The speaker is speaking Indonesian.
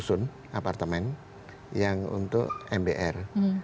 susun apartemen yang untuk mbr